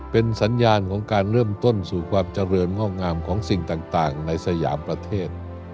เป็นสัญญาณของการเริ่มต้นสู่ความเจริญงอกงามของสิ่งต่างในสยามประเทศ